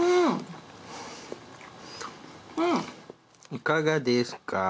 いかがですか？